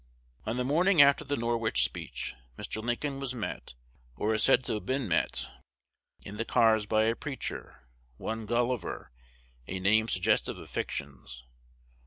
On the morning after the Norwich speech, Mr. Lincoln was met, or is said to have been met, in the cars by a preacher, one Gulliver, a name suggestive of fictions.